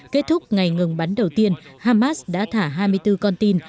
kết thúc ngày ngừng bắn đầu tiên hamas đã thả hai mươi bốn con tin